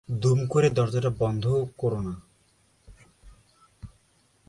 দুম করে দরজাটা বন্ধ কোরো না।